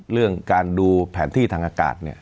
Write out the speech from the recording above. เรื่องการดูแผนที่ทางอากาศ